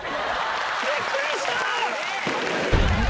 びっくりした！